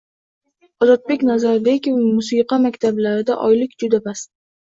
Ozodbek Nazarbekov: Musiqa maktablarida oylik juda past